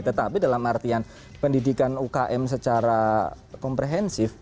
tetapi dalam artian pendidikan ukm secara komprehensif